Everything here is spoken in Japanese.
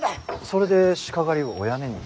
それで鹿狩りをおやめに。